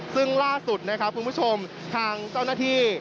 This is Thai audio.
ซึ่งล่าสุดนะครับคุณผู้ชมทางเจ้าหน้าที่